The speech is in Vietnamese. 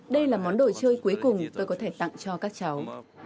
đây là món đồ chơi cuối cùng tôi có thể tặng cho các cháu